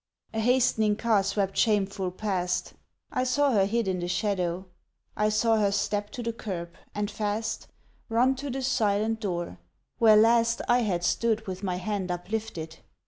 A hastening car swept shameful past, I saw her hid in the shadow, I saw her step to the curb, and fast Run to the silent door, where last I had stood with my hand uplifted.